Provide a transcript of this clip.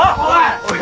おい！